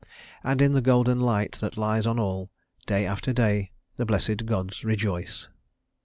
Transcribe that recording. And in the golden light that lies on all Day after day the blessed gods rejoice."